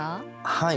はい。